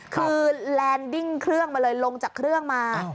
คือแลนด์ดิ้งเครื่องมาเลยลงจากเครื่องมา